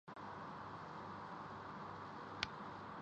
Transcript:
پی C B نے قومی کھلاڑیوں کیلئے اپنے خزانے کا منہ کھول دیا